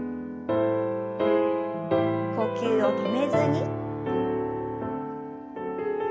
呼吸を止めずに。